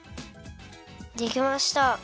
できました。